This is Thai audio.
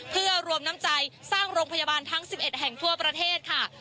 เพื่อรวมน้ำใจสร้างโรงพยาบาลทั้ง๑๑แห่งทั่วประเทศค่ะ